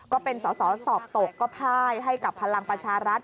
ก็เป็นสอสอสอบตกก็พ่ายให้กับพลังประชารัฐ